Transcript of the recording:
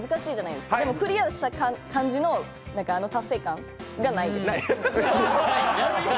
でも、クリアした感じのあの達成感がないです？